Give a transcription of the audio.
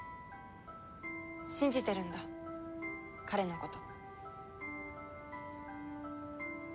信じてるんだ彼のこと。